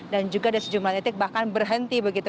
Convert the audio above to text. dan juga di sejumlah titik bahkan berhenti begitu